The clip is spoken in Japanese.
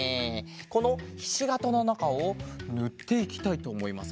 このひしがたのなかをぬっていきたいとおもいます。